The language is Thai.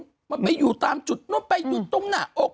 มันไปอยู่ตามจุดนู้นไปอยู่ตรงหน้าอก